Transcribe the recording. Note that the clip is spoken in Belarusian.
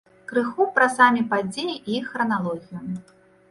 Крыху пра самі падзеі і іх храналогію.